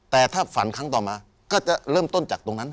แต่ถ้าฝันครั้งต่อมาก็จะเริ่มต้นจากตรงนั้น